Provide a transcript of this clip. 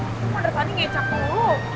lu kan udah tadi ngecak dulu